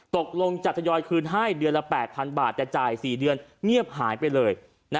ตกลงจะทยอยคืนให้เดือนละ๘๐๐๐บาทแต่จ่าย๔เดือนเงียบหายไปเลย